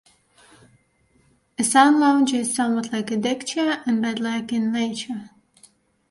A sunlounger is somewhat like a deckchair, and bed-like in nature.